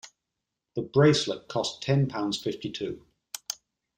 The bracelet costs ten pounds fifty-two